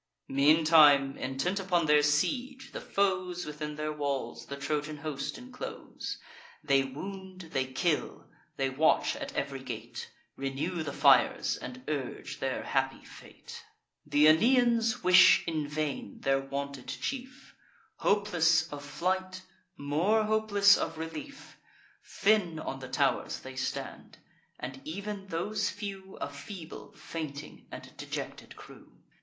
Meantime, intent upon their siege, the foes Within their walls the Trojan host inclose: They wound, they kill, they watch at ev'ry gate; Renew the fires, and urge their happy fate. Th' Aeneans wish in vain their wanted chief, Hopeless of flight, more hopeless of relief. Thin on the tow'rs they stand; and ev'n those few A feeble, fainting, and dejected crew.